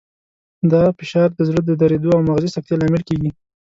دا فشار د زړه د دریدو او مغزي سکتې لامل کېږي.